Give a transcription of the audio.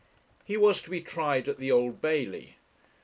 He was to be tried at the Old Bailey.